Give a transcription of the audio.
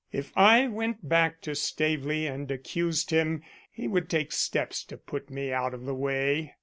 If I went back to Staveley and accused him, he would take steps to put me out of the way.